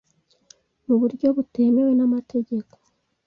mu buryo butemewe namategeko